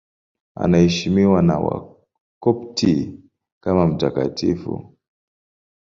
Anaheshimiwa na Wakopti kama mtakatifu.